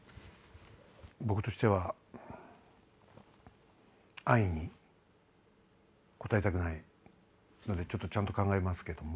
僕としては安易に答えたくないのでちゃんと考えますけども。